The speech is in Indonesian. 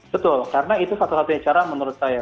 betul karena itu satu satunya cara menurut saya